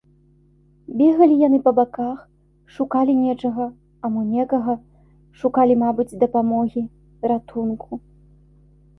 Бегалі яны па баках, шукалі нечага, а мо некага, шукалі, мабыць, дапамогі, ратунку.